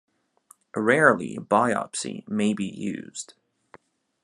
Rarely biopsy may be used.